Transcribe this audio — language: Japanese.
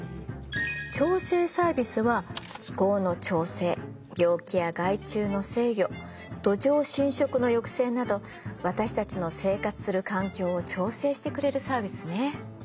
調整サービスは気候の調整病気や害虫の制御土壌浸食の抑制など私たちの生活する環境を調整してくれるサービスね。